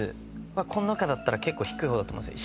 この中だったら結構低い方だと思うんすよ。